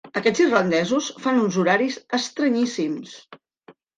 Aquests irlandesos fan uns horaris estranyíssims.